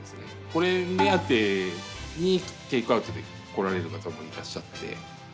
これ目当てにテイクアウトで来られる方もいらっしゃって。